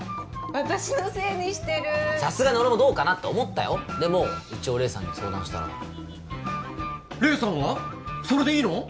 私のせいにしてるさすがに俺もどうかなと思ったよでも一応礼さんに相談したら礼さんはそれでいいの？